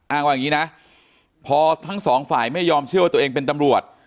ว่าอย่างนี้นะพอทั้งสองฝ่ายไม่ยอมเชื่อว่าตัวเองเป็นตำรวจ